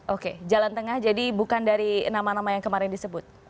oke jalan tengah jadi bukan dari nama nama yang kemarin disebut